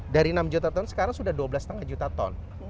dari enam juta ton sekarang sudah dua belas lima juta ton